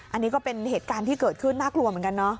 อันนี้ก็เป็นเหตุการณ์ที่เกิดขึ้นน่ากลัวเหมือนกันเนอะ